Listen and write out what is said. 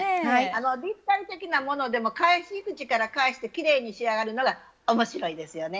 立体的なものでも返し口から返してきれいに仕上がるのが面白いですよね。